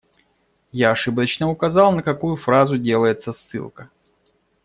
Я ошибочно указал, на какую фразу делается ссылка.